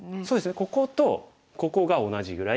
こことここが同じぐらい。